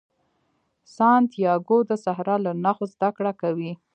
سانتیاګو د صحرا له نښو زده کړه کوي.